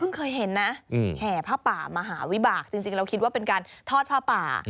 เคยเห็นนะแห่ผ้าป่ามหาวิบากจริงเราคิดว่าเป็นการทอดผ้าป่า